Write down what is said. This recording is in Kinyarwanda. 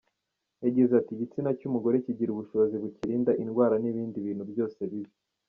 Yagize ati “Igitsina cy’umugore kigira ubushobozi bukirinda indwara n’ibindi bintu byose bibi.